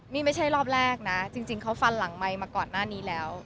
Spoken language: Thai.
นี่ไม่ใช่รอบแรกนะจริงเขาฟันหลังไมค์มาก่อนหน้านี้แล้ว